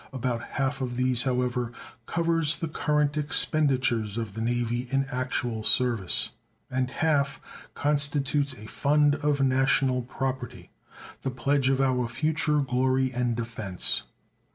About half of these, however, covers the current expenditures of the Navy in actual service, and half constitutes a fund of national property, the pledge of our future glory and defense.